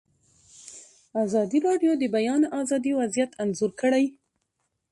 ازادي راډیو د د بیان آزادي وضعیت انځور کړی.